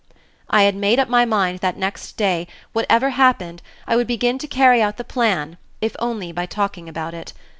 I had made up my mind that next day, whatever happened, I would begin to carry out the plan, if only by talking about it.